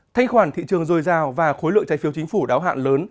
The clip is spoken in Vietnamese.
thanh khoản thị trường dồi dào và khối lượng trái phiếu chính phủ đáo hạn lớn